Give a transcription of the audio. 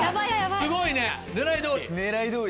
すごいね狙いどおり。